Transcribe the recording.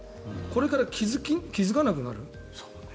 これから気付かなくなる。